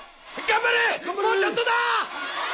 頑張れ！